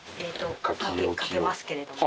書けますけれども。